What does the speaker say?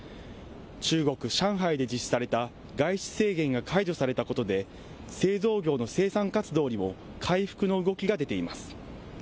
中国・上海で実施された外出制限が解除されたことで、製造業の生産活動にも回復の動きが出ています。